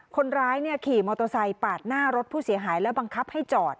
คนร้ายขี่มอเตอร์ไซค์ปาดหน้ารถผู้เสียหายแล้วบังคับให้จอด